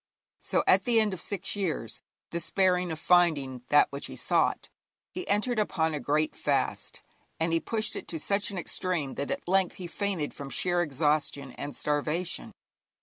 So, at the end of six years, despairing of finding that which he sought, he entered upon a great fast, and he pushed it to such an extreme that at length he fainted from sheer exhaustion and starvation.